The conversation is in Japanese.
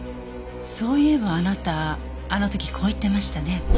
そういえばあなたあの時こう言ってましたね。